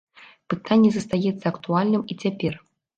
Пытанне застаецца актуальным і цяпер.